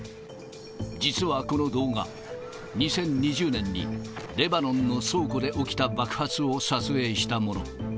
実はこの動画、２０２０年にレバノンの倉庫で起きた爆発を撮影したもの。